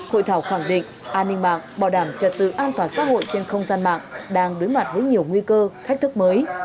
hội thảo khẳng định an ninh mạng bảo đảm trật tự an toàn xã hội trên không gian mạng đang đối mặt với nhiều nguy cơ thách thức mới